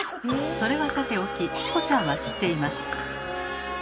それはさておきチコちゃんは知っています。